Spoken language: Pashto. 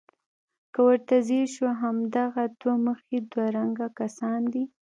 که ورته ځیر شو همدغه دوه مخي دوه رنګه کسان دي.